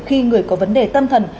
khi người có vấn đề tâm thần